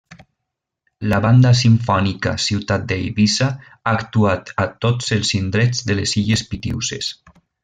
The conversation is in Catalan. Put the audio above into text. La Banda Simfònica Ciutat d'Eivissa ha actuat a tots els indrets de les Illes Pitiüses.